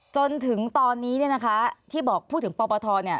จนถึงตอนนี้เนี่ยนะคะที่บอกพูดถึงปปทเนี่ย